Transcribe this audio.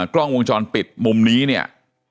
กล้องวงจรปิดมุมนี้เนี่ย